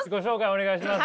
お願いします。